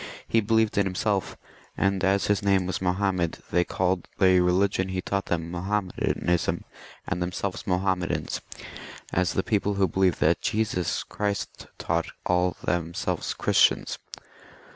He believed it himself, and as his name was Mahomet, they called the religion he taught them Mahometanism and themselves Mahommedans, as the people who believe what Jesus Christ taught call themselves Christians.